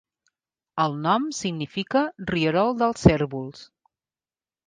El nom significa "rierol dels cérvols".